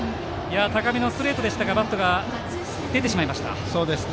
高めのストレートでしたがバットが出てしまいました。